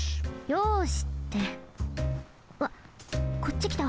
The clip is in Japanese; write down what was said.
「よし」ってわっこっちきた。